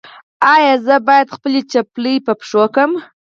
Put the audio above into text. ایا زه باید څپلۍ په پښو کړم؟